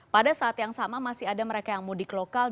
pada saat yang sama masih ada mereka yang mudik lokal